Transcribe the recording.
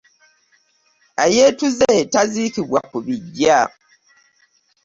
Eyeetuze taziikibwa ku biggya.